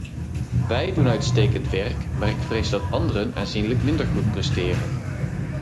Wij doen uitstekend werk, maar ik vrees dat anderen aanzienlijk minder goed presteren.